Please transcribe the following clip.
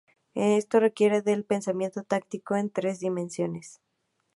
Esto requiere del pensamiento táctico en tres dimensiones.